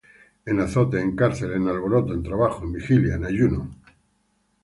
En azotes, en cárceles, en alborotos, en trabajos, en vigilias, en ayunos;